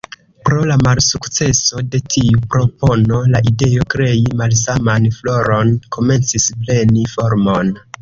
Pro la malsukceso de tiu propono, la ideo krei malsaman floron komencis preni formon.